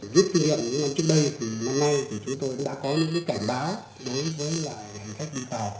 giúp kinh nghiệm những năm trước đây năm nay thì chúng tôi đã có những cái cảnh báo đối với là hành khách đi tàu